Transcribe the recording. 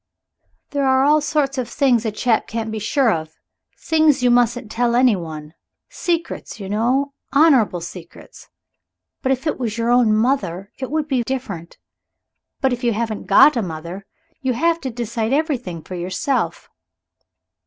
"There are all sorts of things a chap can't be sure of things you mustn't tell any one. Secrets, you know honorable secrets. But if it was your own mother it would be different. But if you haven't got a mother you have to decide everything for yourself."